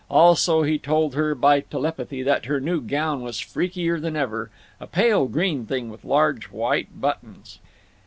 _ Also he told her, by telepathy, that her new gown was freakier than ever—a pale green thing, with large white buttons.